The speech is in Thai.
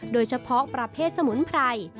โดยเฉพาะประเภทสมุนไพร